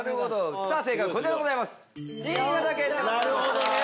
正解はこちらでございます。